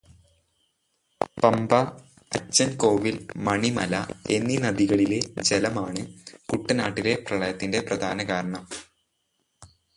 പമ്പ, അച്ചന്കോവില്, മണിമല എന്നീ നദികളിലെ ജലമാണ് കുട്ടനാട്ടിലെ പ്രളയത്തിന്റെ പ്രധാന കാരണം.